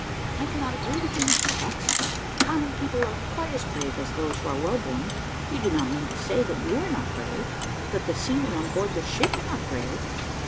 "I cannot agree with you, Mr Chucks. Common people are quite as brave as those who are well born. You do not mean to say that you are not brave that the seamen on board this ship are not brave?"